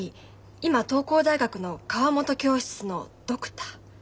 今東光大学の川本教室のドクター。